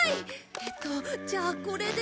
えっとじゃあこれで。